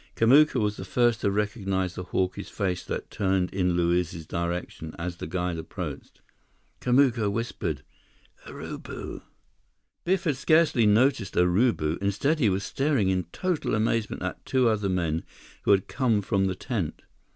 Kamuka was the first to recognize the hawkish face that turned in Luiz's direction as the guide approached. Kamuka whispered, "Urubu!" Biff had scarcely noticed Urubu. Instead, he was staring in total amazement at two other men who had come from the tent.